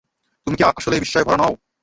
তুমি কি আসলেই বিস্ময়ে ভরা নয়?